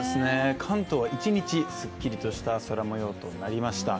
関東は一日すっきりとした空もようとなりました。